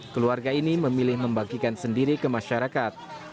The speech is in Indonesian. keluarga ini memilih membagikan sendiri ke masyarakat